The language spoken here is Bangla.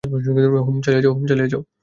হুম, চালিয়ে যাও।